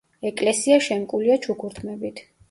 ეკლესია შემკულია ჩუქურთმებით.